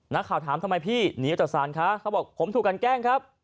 นักข่าวถามทำไมพี่หนีออกจากศาลคะเขาบอกผมถูกกันแกล้งครับ